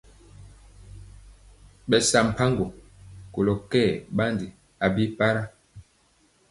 Ɓɛ saa mpaŋgo kolɔ kɛ ɓandi a bi faraŋga.